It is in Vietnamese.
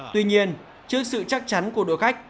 tuy nhiên trước sự chắc chắn của đội khách